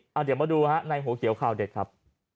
เดี๋ยวมาดูฮะในหัวเขียวข่าวเด็ดครับ